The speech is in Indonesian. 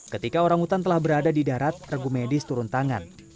ketika orang hutan telah berada di darat regu medis turun tangan